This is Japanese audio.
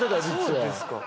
そうですか。